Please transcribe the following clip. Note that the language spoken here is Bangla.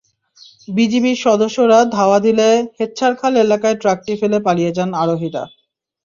বিজিবির সদস্যরা ধাওয়া দিলে হেচ্ছারখাল এলাকায় ট্রাকটি ফেলে পালিয়ে যান আরোহীরা।